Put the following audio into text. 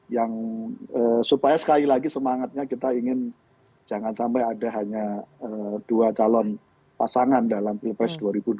yang supaya sekali lagi semangatnya kita ingin jangan sampai ada hanya dua calon pasangan dalam pilpres dua ribu dua puluh